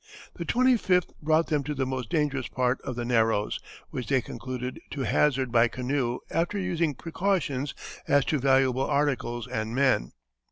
The 25th brought them to the most dangerous part of the narrows, which they concluded to hazard by canoe after using precautions as to valuable articles and men.